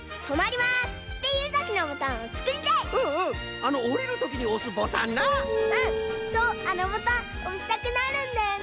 あのボタンおしたくなるんだよね！